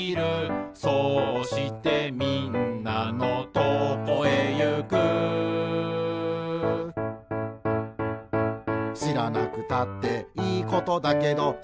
「そうしてみんなのとこへゆく」「しらなくたっていいことだけど」